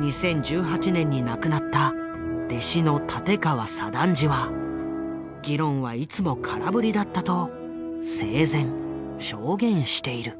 ２０１８年に亡くなった弟子の立川左談次は議論はいつも空振りだったと生前証言している。